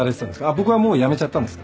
あっ僕はもう辞めちゃったんです。